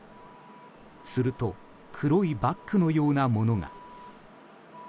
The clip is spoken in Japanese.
すると黒いバックのようなものが。